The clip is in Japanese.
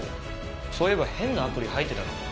そういえば変なアプリ入ってたかも。